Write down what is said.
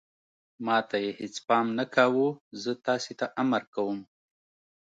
ما ته یې هېڅ پام نه کاوه، زه تاسې ته امر کوم.